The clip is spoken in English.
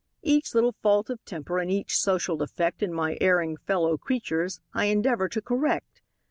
Each little fault of temper and each social defect In my erring fellow creatures, I endeavor to correct.